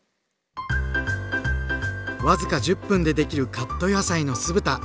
僅か１０分でできるカット野菜の酢豚！